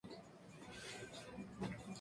Pasó luego a conducir un programa musical.